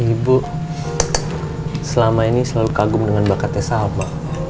ibu selama ini selalu kagum dengan bakatnya salma